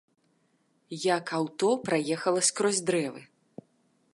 Як аўто праехала скрозь дрэвы?